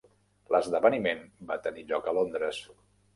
L'esdeveniment va tenir lloc a Londres.